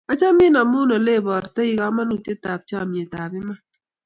Achomin amun oleiportoi kamanutyetap chomyet ap iman.